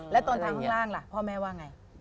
แล้วตอนทางข้างล่างล่ะพ่อแม่ว่าไง